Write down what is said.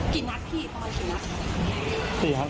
กี่นัดพี่ตอนกี่นัดสี่ห้านัดครับสี่ห้านัดหรอ